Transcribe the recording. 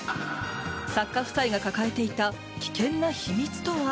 作家夫妻が抱えていた危険な秘密とは？